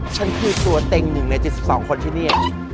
ฉันคือตัวเต็งหนึ่งใน๗๒คนที่เนี่ย